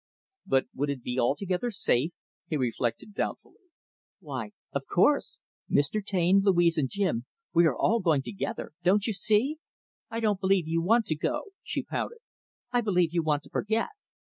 "But would it be altogether safe?" He reflected doubtfully. "Why, of course, Mr. Taine, Louise, and Jim, we are all going together don't you see? I don't believe you want to go," she pouted. "I believe you want to forget."